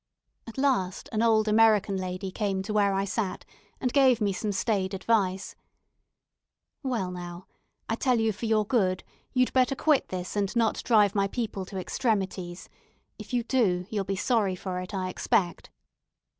At last an old American lady came to where I sat, and gave me some staid advice. "Well, now, I tell you for your good, you'd better quit this, and not drive my people to extremities. If you do, you'll be sorry for it, I expect."